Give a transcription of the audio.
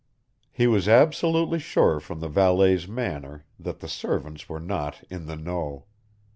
He was absolutely sure from the valet's manner that the servants were not "in the know."